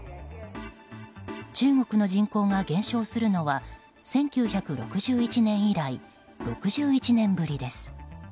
中国の人口が減少するのは１９６１年以来、６１年ぶりです。